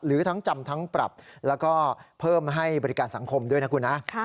หรือทั้งจำทั้งปรับแล้วก็เพิ่มให้บริการสังคมด้วยนะคุณนะ